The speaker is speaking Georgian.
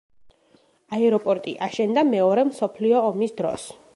აეროპორტი აშენდა მეორე მსოფლიო ომის დროს.